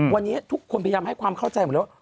วันนี้ทุกคนพยายามให้ความเข้าใจหมดแล้ว